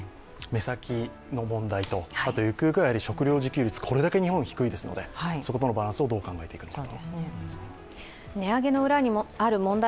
目先の問題と、ゆくゆくは食料自給率、これだけ日本は低いですので、そことのバランスをどう考えていくのか。